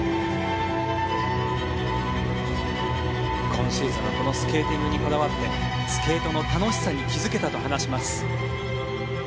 今シーズンはこのスケーティングにこだわってスケートの楽しさに気付けたと話します。